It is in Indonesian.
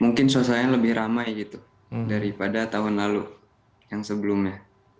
mungkin suasananya lebih ramai gitu daripada tahun lalu yang sebelumnya